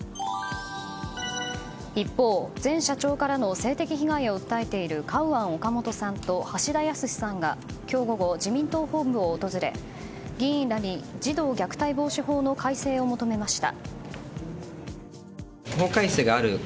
一方、前社長からの性的被害を訴えているカウアン・オカモトさんと橋田康さんが今日午後、自民党本部を訪れ議員らに児童虐待防止法の改正を求めました。